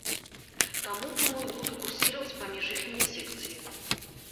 Таму, думаю, буду курсіраваць паміж іхнімі секцыямі.